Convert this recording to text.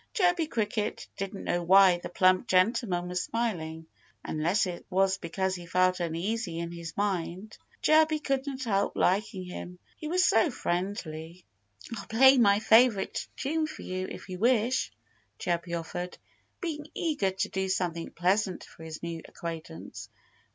Chirpy Cricket didn't know why the plump gentleman was smiling, unless it was because he felt easy in his mind. Chirpy couldn't help liking him, he was so friendly. "I'll play my favorite tune for you, if you wish," Chirpy offered, being eager to do something pleasant for his new acquaintance.